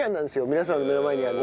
皆さんの目の前にある。